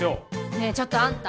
ねえちょっとあんた。